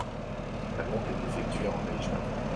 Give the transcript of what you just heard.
La ponte est effectuée en mai - juin.